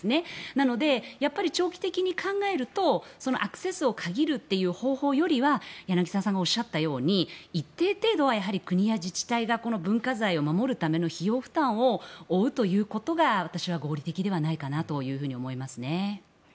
なので、長期的に考えるとアクセスを限るという方法よりは柳澤さんがおっしゃったように一定程度は国や自治体がこの文化財を守るための費用負担を負うということが私は合理的ではないかなと思いますね。